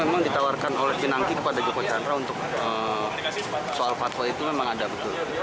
memang ditawarkan oleh pinangki kepada joko chandra untuk soal fatwa itu memang ada betul